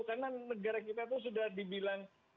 karena negara kita itu sudah dibilang negara yang tidak mampu